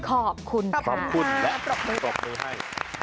ขอบคุณค่ะขอบคุณและปลอบมือให้